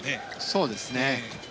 そうですね。